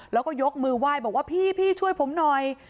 แล้วก็ยกมือไหว้บอกว่าพี่ช่วยผมหน่อย